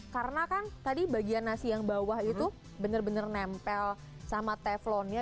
karena kan tadi bagian nasi yang bawah itu bener bener nempel sama teflonnya